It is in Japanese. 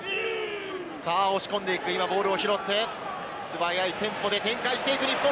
さあ、押し込んでいく、今、ボールを拾って、素早いテンポで展開していく、日本。